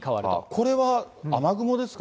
これは雨雲ですか？